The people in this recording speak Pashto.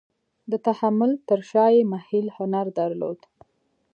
د تحمل تر شا یې محیل هنر درلود.